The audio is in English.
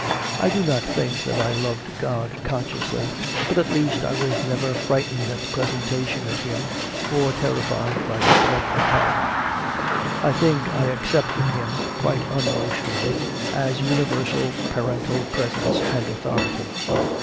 I do not think that I loved God consciously, but at least I was never frightened at the presentation of Him or terrified by the threat of hell. I think I accepted Him quite unemotion ally as a universal Parental Presence and Authority.